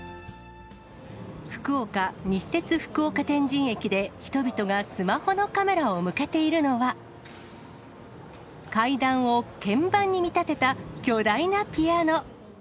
福岡、西鉄福岡天神駅で、人々がスマホのカメラを向けているのは、階段を鍵盤に見立てた巨大なピアノ。